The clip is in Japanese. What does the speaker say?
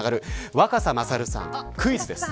若狭勝さん、クイズです。